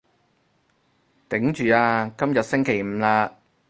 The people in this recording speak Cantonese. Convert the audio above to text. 頂住啊，今日星期五喇